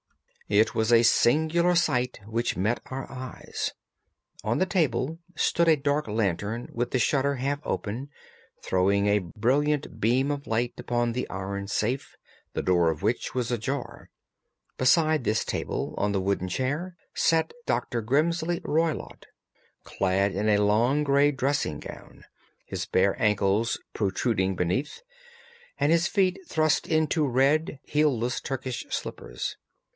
It was a singular sight which met our eyes. On the table stood a dark lantern with the shutter half open, throwing a brilliant beam of light upon the iron safe, the door of which was ajar. Beside this table, on the wooden chair, sat Dr. Grimesby Roylott clad in a long grey dressing gown, his bare ankles protruding beneath, and his feet thrust into red heelless Turkish slippers.